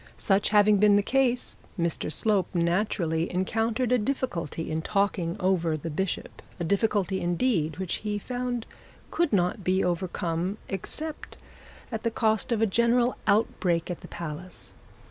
Such having been the case, Mr Slope, naturally encountered a difficulty in talking over the bishop, a difficulty indeed which he found could not be overcome except at the cost of a general outbreak at the palace.